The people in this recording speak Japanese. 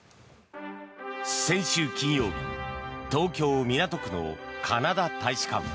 先週金曜日東京・港区のカナダ大使館。